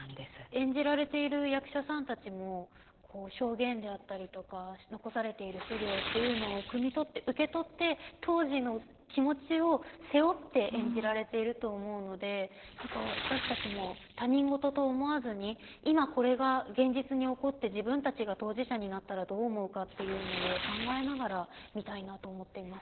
演じられている役者さんたちも証言であったりとか残されている資料っていうのをくみ取って、受け取って当時の気持ちを背負って演じられていると思うので私たちも他人事と思わずに今、これが現実に起こって自分たちが当事者になったらどう思うかっていうのを考えながら見たいなと思っています。